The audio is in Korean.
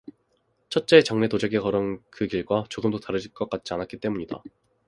첫째의 장래 도자기가 걸어온 그 길과 조금도 다를 것 같지 않았기 때문이다.